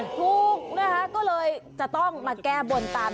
ถูกนะคะก็เลยจะต้องมาแก้บนตาม